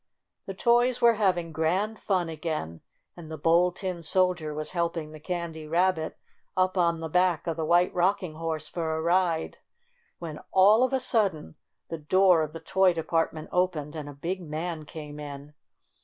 The toys were having grand fun again, and the Bold Tin Soldier was helping the Candy Rabbit up on the back of the White Rocking Horse for a ride, when, all of a sudden, the door of the toy department opened and a big man came in.